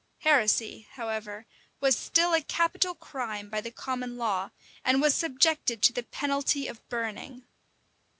Heresy, however, was still a capital crime by the common law, and was subjected to the penalty of burning.